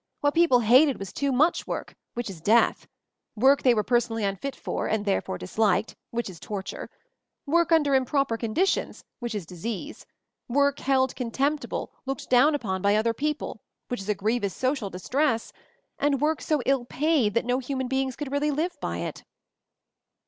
What people hated was too much I work, which is death ; work they were per sonally unfit for and therefore disliked, which is torture ; work under improper con ditions, which is disease; work held con temptible, looked down upoh by other peo ple, which is a grievous social distress ; and work so ill paid that no human beings could 1 really live by it."